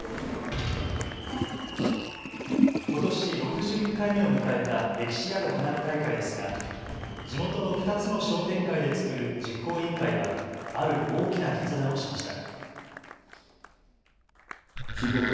ことし６１回目を迎えた歴史ある花火大会ですが地元の２つの商店会で作る実行委員会はある大きな決断をしました。